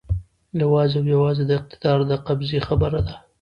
یوازې او یوازې د اقتدار د قبضې خبره ده.